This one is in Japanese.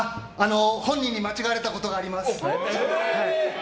本人に間違われたことがあります。